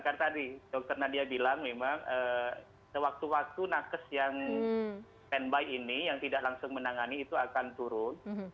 karena tadi dokter nadia bilang memang sewaktu waktu nakes yang standby ini yang tidak langsung menangani itu akan turun